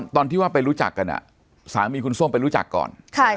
ตอนที่ว่าไปรู้จักกันสามีคุณส้มไปรู้จักก่อน